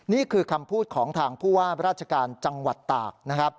นี่คือคำพูดของทางพู่ไฌ้ราชการจังหวัดตาก